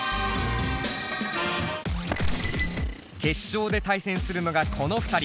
決勝で対戦するのがこの２人。